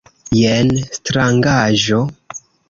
Jen strangaĵo.